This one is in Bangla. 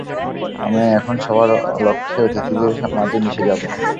আমি এখন সবার অলক্ষ্যে অতিথিদের মাঝে মিশে যাব।